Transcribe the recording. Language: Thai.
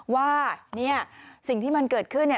ว่าสิ่งที่มันเกิดขึ้น